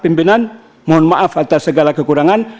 pimpinan mohon maaf atas segala kekurangan